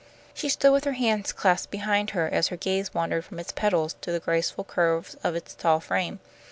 She stood with her hands clasped behind her as her gaze wandered from its pedals to the graceful curves of its tall frame.